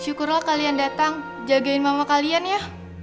syukurlah kalian datang jagain mama kalian ya